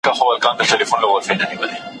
د وټس اپ پاڼه یې بېرته بنده کړه.